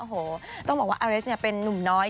โอ้โหต้องบอกว่าอเรสเป็นนุ่มน้อย